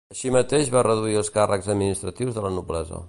Així mateix va reduir els càrrecs administratius de la noblesa.